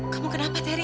kamu kenapa teri